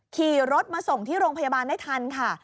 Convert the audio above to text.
ขี่รถมาส่งที่โรงพยาบาลได้ทันค่ะ